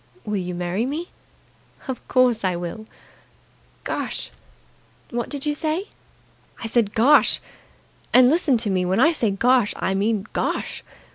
"Will you marry me?" "Of course I will." "Gosh!" "What did you say?" "I said Gosh! And listen to me, when I say Gosh, I mean Gosh!